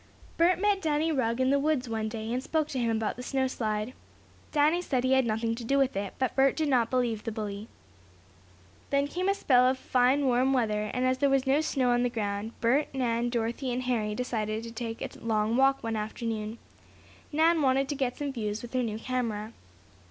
Bert met Danny Rugg in the woods one day, and spoke to him about the snow slide. Danny said he had had nothing to do with it, but Bert did not believe the bully. Then came a spell of fine, warm weather, and as there was no snow on the ground, Bert, Nan, Dorothy and Harry decided to take a long walk one afternoon. Nan wanted to get some views with her new camera.